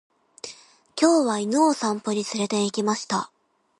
今日は犬を散歩に連れて行きました。